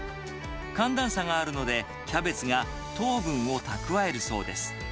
寒暖差があるので、キャベツが糖分を蓄えるそうです。